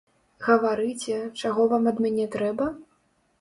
Гаварыце, чаго вам ад мяне трэба?